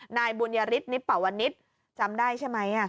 นายบุญญาริสนิปปะวณิสจำได้ใช่ไหม